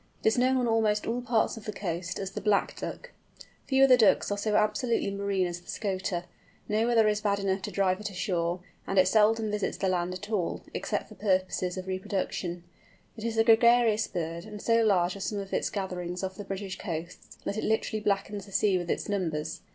It is known on almost all parts of the coast as the "Black Duck." Few other Ducks are so absolutely marine as the Scoter; no weather is bad enough to drive it ashore, and it seldom visits the land at all, except for purposes of reproduction. It is a gregarious bird, and so large are some of its gatherings off the British coasts, that it literally blackens the sea with its numbers.